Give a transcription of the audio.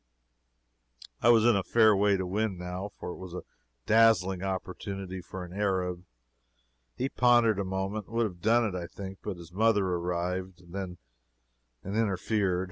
I was in a fair way to win, now, for it was a dazzling opportunity for an Arab. He pondered a moment, and would have done it, I think, but his mother arrived, then, and interfered.